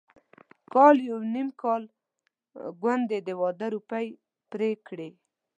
کال يو نيم کال کونډې د واده روپۍ پرې کړې.